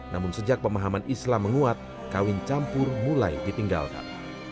namun sejak pemahaman islam menguat kawin campur mulai ditinggalkan